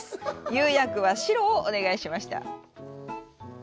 釉薬は白をお願いしました。